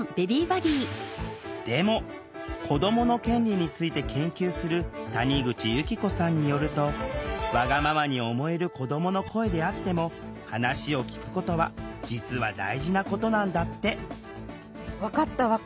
でも子どもの権利について研究する谷口由希子さんによるとわがままに思える子どもの声であっても話を聴くことは実は大事なことなんだって。